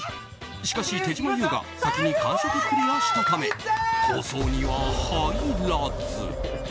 しかし、手島優が先に完食クリアしたため放送には入らず。